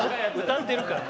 歌ってるから！